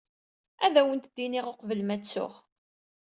Ad awent-d-iniɣ uqbel ma ttuɣ.